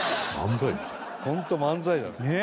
ホント漫才だね。